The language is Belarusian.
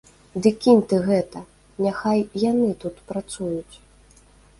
Ды кінь ты гэта, няхай яны тут працуюць.